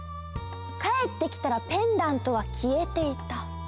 かえってきたらペンダントはきえていた。